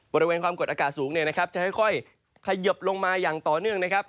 บริเวณความกดอากาศสูงเนี่ยนะครับจะค่อยเขยิบลงมาอย่างต่อเนื่องนะครับ